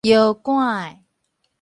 搖桿